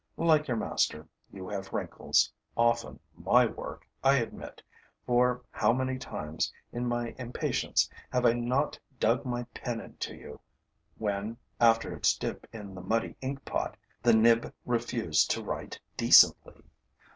Like your master, you have wrinkles, often my work, I admit; for how many times, in my impatience, have I not dug my pen into you, when, after its dip in the muddy inkpot, the nib refused to write decently!